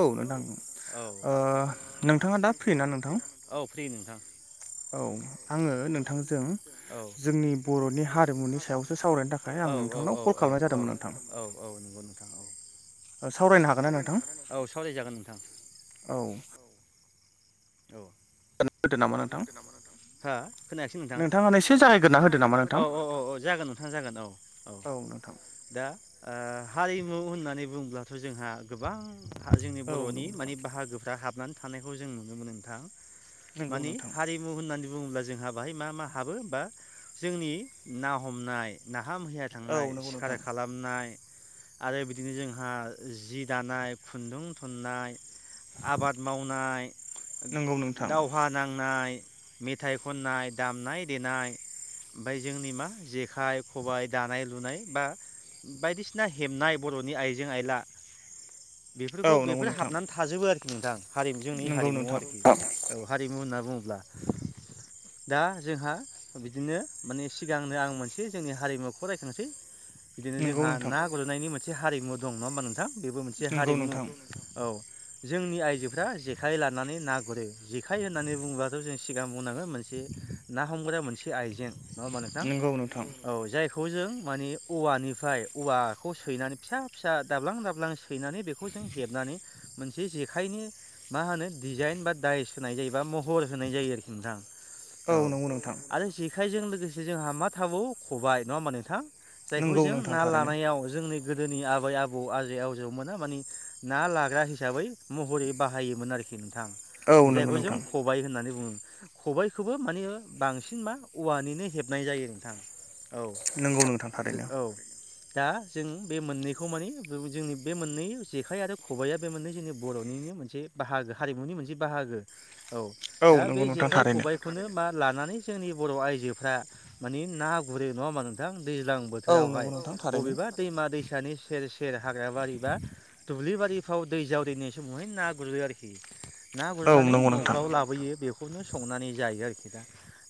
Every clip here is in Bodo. औ नोंथां ओ नोंथाङा दा फ्रि ना नोंथां औ आङो नोंथांजों जोंनि बर'नि हारिमुनि सायावसो सावरायनो थाखाय आं आं नोंथनाव कल खालामनाय जादोंमोन नोंथां औ सावरायजागोन नोंथां ओ होदो नामा नोंथां नोंथाङा औ औ औ औ जागोन नोंथां जागोन औ औ दा ओ हारिमु होननानै बुंब्लाथ' जोंहा गोबां हा जोंनि बर'नि माने बाहागोफ्रा हाबनानै थानायखौ जों नुनो मोनो नोंथां माने हारिमु होननानै बुङोब्ला जोंहा बाहाय मा मा हाबो बा जोंनि ना हमनाय ना- हामहैया थांनाय सिखार खालामनाय आरो बिदिनो जोंहा जि दानाय खुन्दुं थुननाय आबाद मावनाय दावहा नांनाय मेथाइ खननाय दामनाय देनाय ओमफाय जोंनि मा जेखाइ खबाय दानाय लुनाय बा बायदिसिना हेबनाय बर'नि आइजें आइला बेफोरखौ बेफोर हाबनानै थाजोबो आरोखि नोंथां हारि जोंनि हारिमु औ हारिमु होनना बुङोब्ला। दा जोंहा बिदिनो माने सिगांनो आं मोनसे जोंनि हारिमुखौ रायखांसै बिदिनो जोंहा ना गुरनायनि मोन हारिमु दं नङा होमबा नोंथां? बेबो मोनसे हारिमु औ जोंनि आइजोफ्रा जेखाइ लानानै ना गुरो जेखाय होननानै बुङोबाथ' जों सिगां बुंनांगोन मोनसे ना हमग्रा मोनसे आइजें नंङा होमबा नोंथां? औ जाय खौ जों माने औवानिफ्राय औवाखौ सैनानै फिसा फिसा दाब्लां दाब्लां सैनानै बेखौ नै हेबनानै मोनसे जेखाइनि मा होनो डिजाइन बा डाइस होनाय जायो बा महर होनाय जायो आरोखि नोंथां औ आरो जे खायजों लोगोसे जोंहा मा थाबौ खबाय नंङा होमबा नोंथां? जायखौ जों ना लानायाव जोंनि गोद दोनै आबै आबौ आजै आवजौ मोना माने ना लाग्रा हिसाबै महरै बाहायोमोन आरि खि नोंथां जायखौ जों खबायाइ होननानै बुङो। खबाइखौबो मानियो बांसिन मा औवानिनो हेबनाय जायो नोंथां। औ औ। दा जों बे मोननैखौ मानि जोंनि बे मोननै जेखाइ आरो खबाइआ बे मोननै जोंनि बर'नि बे मोनसे बाहागो हारिमुनि मोनसे बाहागो औ दा बे जेखाइ खबाइखौनो मा लानानै जोंनि बर' आइजोफ्रा माने ना गुरो नंङा होमबा नोंथां? दैज्लां बोथोरावहाय बबेबा दैमा दैसानि सेर सेर हाग्रा बारि बा दुब्लि बारिफ्राव दै जावररायनाय समावहाय ना गुरो आरोखि ना गुरनानै न'फ्राव लाबोयो बेय खौनो संनानै जायो आरोखि दा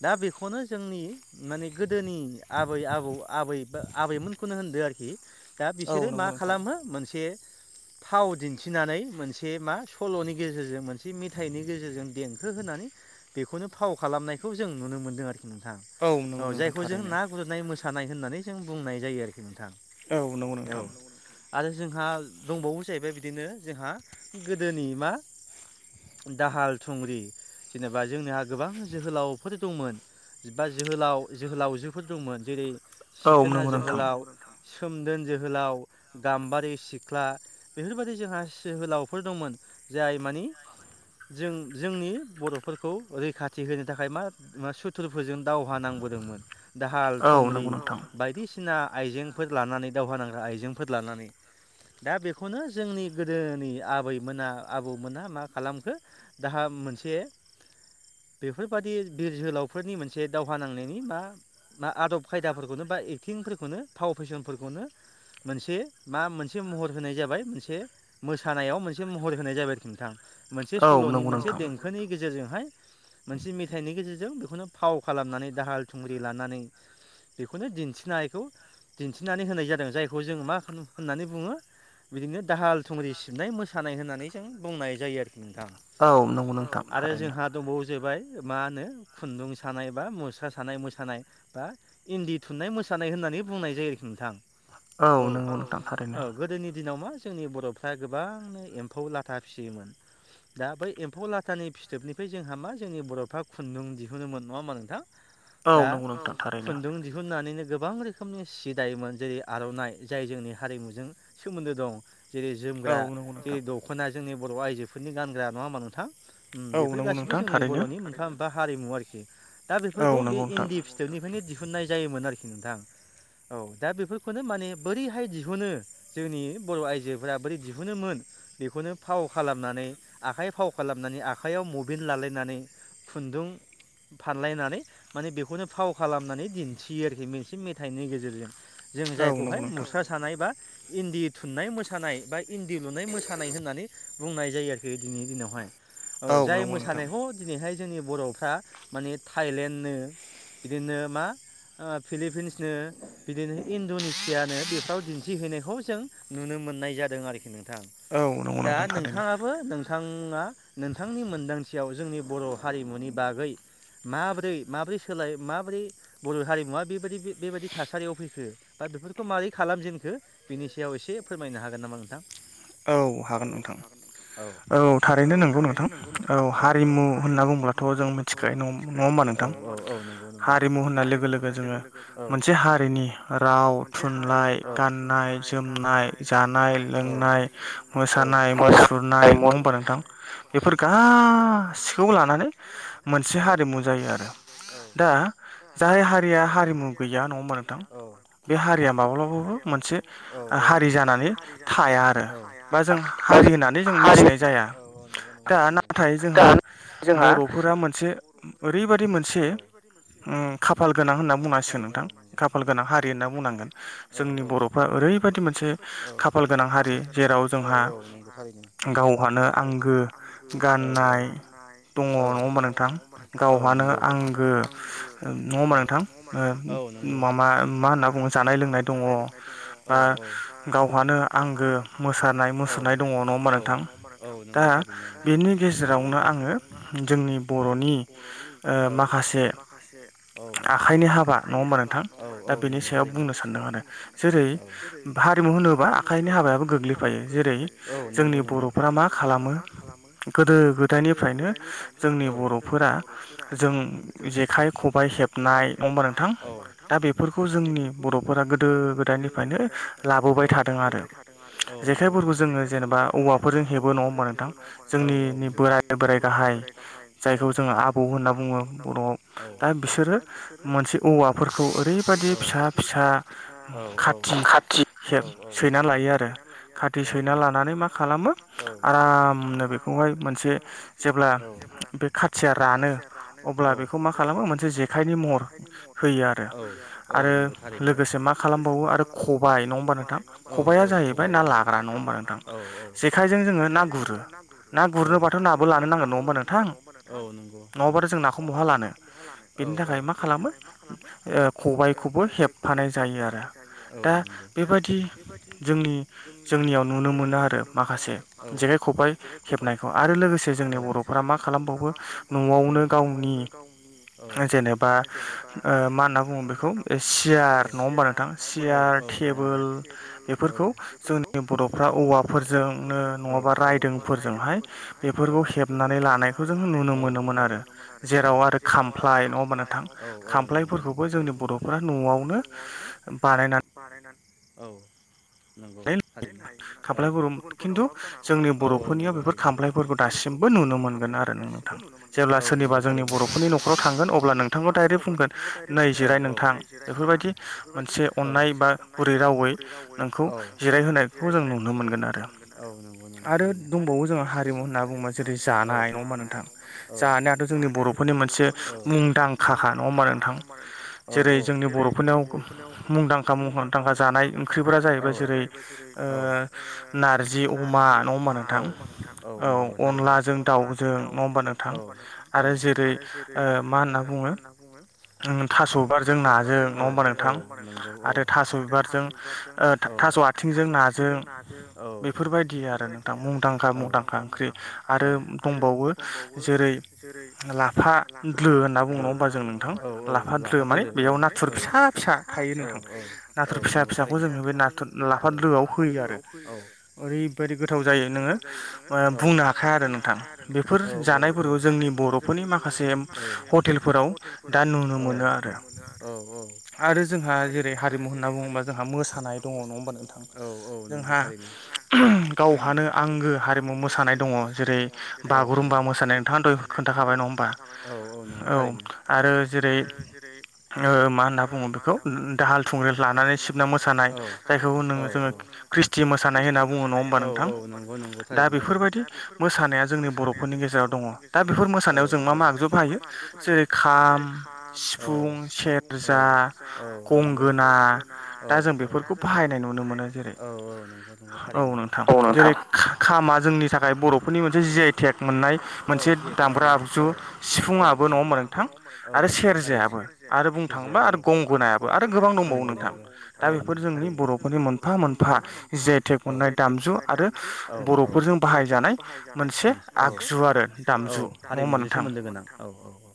दा बेखौनो जोंनि मानि गोदोनि आबै आबौ अ आबै बा आबैमोनखौनो होनदो आरोखि दा बिसोरो मा खालामो मोनसे फाव दिन्थिनानै मोनसे मा सल'नि गेजेरजों मोनसे मेथाइनि गेजेरजों देंखो होनानै बेखौनो फाव खालामनायखौ जों नुनो मोनदों आर नोंथां औ जायखौ जों ना गुरनाय मोसानाय होननानै जों बुंनाय जायो आरोखि नोंथां। औ नंगौ नोंथां। आरो जोंहा दंबावो जाहैबाय बिदिनो जोंहा गोदोनि मा [inaudible] दाहाल थुंग्रि जेनेबा जोंना गोबां जोहोलावफोर दंमोन बा जोहोलाव जोहोलावजोफोर दंमोन जेरै सिखोना जोहोलाव सोमदोन जोहोलाव गाम्बारि सिख्ला बेफोरबायदि जोंहा सिहोलावफोर दंमोन जाय मानि जों जोंनि बर'फोरखौ रैखाथि होनो थाखाय मा सुथुरफोरजों दावहा नां बोदोंमोन दाहाल थुंग्रि बायदिसि ना आइजेंफोर लानानै दावहा नांग्रा आइजेंफोर लानानै दा बेखौनो जोंनि गोदोनि आबैमोना आबौमोनहा मा खालामखो दाहाम मोनसे बेफोरबादि बिर जोहोलावफोरनि मोनसे दावहा नांनायनि मा ना आदब खायदाफोरखौनो बा एक्टिंफोरखौनो फाव फेसनफोरखौनो मोनसे मा मोनसे महर होनाय जाबाय मोनसे मोसानायाव मोनसे महर होनाय जाबाय आरोखि नोंथां मोनसे सल'नि मोनसे देंखोनि गेजेरजों हाय मोनसे मेथाइनि गेजेरजों बेखौनो फाव खालामनानै दाहाल थुंग्रि लानानै बेखौनो दिन्थिनायखौ दिन्थिनानै होनाय जादों जायखौ जों मा होन होनो होननानै बुङो बिदिनो दाहाल थुंग्रि सिबनाय मोसानाय होननानै दों बुंनाय जायो आरोखि नोंथां औ आरो जोंहा दंबावो जाहैबाय मा नो- खुन्दुं सानाय बा मुस्रा सानाय मोसानाय बा इन्दि थुननाय मोसानाय होननानै बुंनाय जायो आरोखि नोंथां। औ औ औ गोदोनि दिनाव मा जोंनि बर'फ्रा गोबांनो एम्फौ लाथ था फियोमोन। दा बै एम्फौ लाथानि फिथोबनिफ्राय जोंहा मा जोंनि बर'फ्रा खुन्दुं दिहुनोमोन नङा होमबा नोंथां? दा औ खुन्दुं दिहुननानैनो गोबां रोखोमनि सि दायोमोन। जेरै आर'नाइ जाय जोंनि हारिमुजों सोमोन्दो दं। जेरै जोमग्रा जे दख जोंनि बर' आइजोफोरनि गानग्रा नङा होमबा नोंथां? उम बेफोर गासिबो जोंनि बर'नि मोनफा मोनफा हारिमु आरोखि। दा बेफोरखौ बे इन्दि फिथोबनि बेखायनो दिहुननाय जायोमोन आरोखि नोंथां। औ दा बेफोरखौनो माने बोरैहाय दिहुनो जोंनि बर' आइजोफोरा बोरै दिहुनोमोन? बेखौनो फाव खालामनानै आखाइ फाव खालामनानै आखाइयाव मबिन लालायनानै खुन्दुं फानलायनानै माने बेखौनो फाव खालामनानै दिन्थियो आरोखि मोनसे मेथाइनि गेजेरजों। जों जायखौहाय मुस्रा सानाय बा इन्दि थुननाय मोसानाय बा इन्दि लुनाय मोस सानाय होननानै बुंनाय जायो आरोखि दिनैनि दिनावहाय। औ जाय मोसानायखौ दिनैहाय जोंनि बर'फ्रा माने थाइलेण्डनो बिदिनो मा ओ फिलिपिन्स नो बिदिनो इनड'नेसिया। नो बेफ्राव दिन्थिहैनायखौ जों नुनो मोननाय जादों आरोखि नोंथां। दा नोंथाङाबो नोंथ थाङा नोंथांनि मोनदांथियाव जोंनि बर' हारिमुनि बागै। माब्रै माब्रै सोलाय माब्रै बर' हारिमुवा बेबादि बेबादि थासारियाव फैखो बा। बेफोरखौ मारै खालामजेनखो बिनि सायाव एसे फोरमायनो हागोन नामा नोंथां? औ हागोन नोंथां। औ थारैनो नंगौ नोंथां औ हारिमु होनना बुङोब्लाथ' खौ जों मिथिखायो नं-नङा होमबा नोंथां? हारिमु होननाय लोगो-लोगो जोङो मोनसे हारिनि राव, थुनलाइ, गाननाय, जोमनाय, जानाय, लोंनाय। मोसानाय, मुसुरनाय नङा होमबा नोंथां बेफोर गासिखौबो लानानै। औ दा जाय हारिया हारिमु गैया नङा होमा नोंथां? बे हारिया माब्लाबाबो मोनसे आ हारि जानानै थाया आरो। बा जों हारि होनानै जों मिथिनाय जाया। दा नाथाय जोंहा बर'फोरा मोनसे बैबायदि मोनसे उम खाफाल गोनां होनना बुंनांसिगोन नोंथां। खाफाल गोनां हारि होनना बुंनांगोन। जोंनि बर'फ्रा ओरैबायदि मोनसे खाफाल गोनां हारि। औ औ थारैनो। औ औ औ दङ नङा होमबा नोंथां। औ नंगौ गाव ओ नङा हा होमबा नोंथां। ओ म आ मा मा होनना बुङो जानाय लोंनाय दङ। बा गावहानो आंगो मोसानाय मुसुरनाय दङ नङा होमबा नोंथां? दा बेनि गेजेरावनो आङो जोंनि बर'नि ओ औ ओ माखासे औ आखाइनि हाबा औ औ नंगौथारैनो बेनि सायाव जेरै हारिमु होनोबा आखाइनि हाबायाबो गोग्लै फायो जेरै जोंनि बर'फोरा मा खालामो? गोदो गोदायनिफ्रायनो‌। जोंनि बर'फोरा जो जों जेखाइ, खबाइ हेबनाय नङा होमबा नोंथां? दा बेफोरखौ जोंनि बर'फोरा गोदो गोदो गोदायनिफ्रायनो लाबोबाय थादों आरो। जेखाइफोरखौ जोङो जेनेबा औवाफोरजों हेबो नङा होमबा नोंथां? जोंनि नि बोराय बोराइ गाहाय। गाहाय ओ जायखौ जोङो आब - बुङो बर'आव दा बिसोरो मोनसे औवाफोरखौ ओरैबादि फिसा फिसा। खाथि हेब सैना लायो आरो। खाथि सैना लानानै मा खालामो आरामनो बेखौहाय मोनसे जेब्ला बे खाथिया रानो। रानो अब्ला बेखौ मा खालामो मोनसे जेखाइनि महर बे आरो मा खालामबावो आरो खबायाइ नङाहोमबा नोंथां खबाइआ जाहैबाय ना लाग्रा। नङा होमबा नोंथां जेखायजों जोङो ना गुरो ना गुरनोबाथ' नाबो लानो नांगोन नङा होमबा नोंथां। औ नंगौ। नङाब्ला जों नाखौ बहा लानो बेनि थाखाय मा खालामो खबबायखौबो हेबफान नाय जायो आरो दा बेबायदि जोंनि जोंनियाव नुनो मोनो आरो माखासे जेखाय खबबाय खेबनायखौ आरो लोगोसे जोंनि बर'फ्रा माासे खालामबावो न'आव न आव नों गावनि जेनोबा मा होनना बुंगोन जेनबा सियात नङा होनबा नोंथां सियार टेबोल बेफोरखौ जों जोंनि बर'फ्रा औवाफोरजोंनो नङाबा रायदोंफोरजोंहाय बेफोरखौ हेबनानै लानाय जों नुनो मोनो‌। मोनोमोन आरो जेराव आरो खामफ्लाय नङा होनबा नोंथां खामफ्लायफोरखौबो जोंनि बर'फ्रा न'आव न आव बानायना बानायनानै औ नंगौ होमोन आरो गुबुनफोराव नङाबो जानो हागौ नोंथांथ जोंनि बर' बो नुनो मोनगोन आरो नों नोंथां। जेब्ला सोरनिबा जोंनि बर'फोरनि नख'राव थांगोन अब्ला नोंथांखौ डाइरेक्ट बुंगोन नै जिराय नोंथां बेफोरबाय बेबायदि मोनसे अननाय बा गुरै रावै नोंखौ खौ जिरायहोनायखौ जों नुनो मोनगोन औ आरो दंबावो जोङो हारिमु होनना बुं। लानाय नङा होमबा नोंथां। जानायाथ' जोंनि बर'फोरनि मोनसे मुंदांखााखा नङा होमबा नोंथां जेरै जोंनि बर' बेफोरनायाव मुंदांखा मुंदांखा जानाय ओंख्रिफोरा जाहैबाय जेरै जेरै ओ नारजि अमा नोंथां दाउजों नङ होमबा नोंथां। नोंथां आरो जेरै मा होनना बुङो। थास' बिबारजों नाजों ख बानायनो नांगौ आरो थास' बिबारजों ओ थस आथिंजों नाजों बेफोरबायदि आरो नोंथां मुंदांखा मुंदांखा ओंख्रि। दंबावो जों जेरै लाफा दोलो होनना बुङो ना होमबा जों नोंथां लाफा दोलो माने बेयाव नाथुर फिसा फिसा थायो नोंथां नाथुर फिसा फिसाखौ जों बे नाथुर ओम [inaudible] ओरैबायदि गोथाव जायो नोङो बुंनो हाखाया आरो नोंथां बेफोर जानाय जोंनि बर'फोरनि माखासे हटेलफोराव दा नुनो मोनो आरो आरो जोंहा जेरै हारिमु होनना बुङोबा जोंहा मोसानाय दङ नङा जोंहा गावहानो आंगो हारिमु मोसानाय दङ जेरै [inaudible] रुम्बा मोसानाय नोंथांथ' खोन्थाखाबाय नंङा होनबा औ आरो जेरै मा होनना बुङो बेखौ दाहाल थुंग्रि लानानै सिबना मोसानाय। जायखौ नोङो जोङो खृस्टि मोसानाय होनना बुङो नङा होमबा नोंथां दा बेफोरबायदि मोसानाया जोंनि बर'फोरनि गेजेराव दङ दा बेफोर मोसानायाव जों मा मा आगजोब हायो जेरै खाम, सिफुं, सेर औ औ नंगौ औ औ। बाहायनाय नुनो मोनो जेरै औ नोंथां जेरै खामा जोंनि थाखाय बर' फोरनि मोनसे जि आइ टेक मोननाय मोनसे दामग्रा आगजु सिफुाबो न'आव मोन नोंथां आरो सेरजायाबो आरो बुंनो थाङो बा आरो गंगोनाबो आरो गोबां दंबावो नोंथां दा बेफोर जोंनि बर'फोरनि मोनफा मोनफा जे थेननाय दामजु आरो बर'फोरजों बाहायजानाय मोनसे आगजुवा औ हारिमुजों सोमोन्दो गोनां औ औ औ।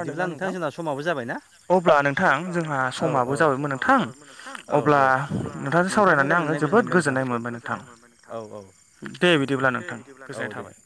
बिदिब्ला नोंथां जोंना समाबो जाबाय ना। अब्ला नोंथां जोंहा समाबो जाबायमोन नोंथां। औ औ अब्ला नोंथांजों रायज्लायनो गोजोननाय मोनबाय नोंथां जोबोद गोजोननाय मोनबाय औ औ। दे बिदिब्ला नोंथां गोजोननाय थाबाय।